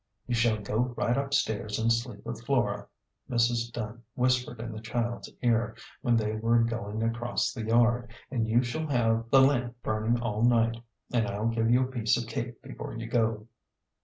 " You shall go right up stairs an' sleep with Flora," Mrs. Dunn whispered in the child's ear, when they were go ing across the yard \" an' you shall have the lamp burnin' all night, an' I'll give you a piece of cake before you go."